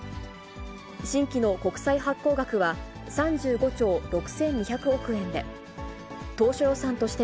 新規の国債発行額は３５兆６２００億円で、当初予算として